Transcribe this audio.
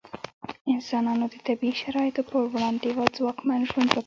انسانانو د طبیعي شرایطو په وړاندې ځواکمن ژوند وکړ.